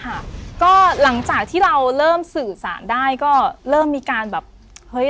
ค่ะก็หลังจากที่เราเริ่มสื่อสารได้ก็เริ่มมีการแบบเฮ้ย